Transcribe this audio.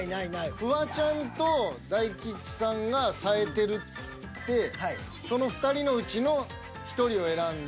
フワちゃんと大吉さんが冴えてるつってその２人のうちの１人を選んで。